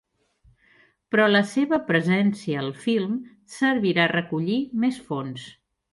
Però la seva presència al film servirà a recollir més fons.